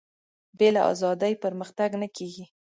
بې له ازادي پرمختګ نه کېږي.